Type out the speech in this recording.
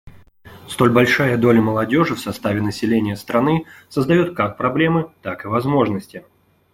Столь большая доля молодежи в составе населения страны создает как проблемы, так и возможности.